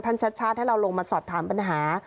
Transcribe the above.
ชัดให้เราลงมาสอบถามปัญหา